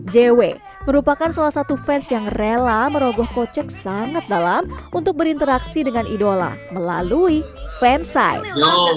jw merupakan salah satu fans yang rela merogoh kocek sangat dalam untuk berinteraksi dengan idola melalui fansite